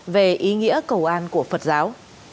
về ý nghĩa cầu an của phật giáo